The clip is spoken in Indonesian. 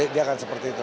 dia akan seperti itu